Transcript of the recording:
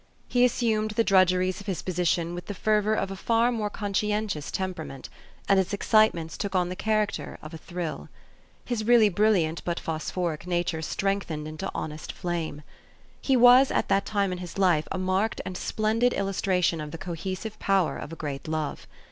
He assumed the drudgeries of his position with the fervor of a far more conscientious temperament ; and its excitements took on the character of a thrill. His really brilliant but phosphoric nature strengthened into honest flame. He was at that time in his life a marked and splendid illustration of the cohesive power of a great love.